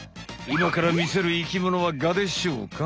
いまから見せる生きものはガでしょうか？